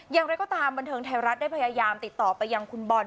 อย่างไรก็ตามบันเทิงไทยรัฐได้พยายามติดต่อไปยังคุณบอล